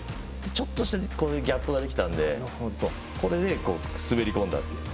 ちょっとしたギャップができたのでこれで滑り込んだという。